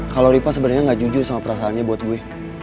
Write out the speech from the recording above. kalau ripa sebenarnya gak jujur sama perasaannya buat gue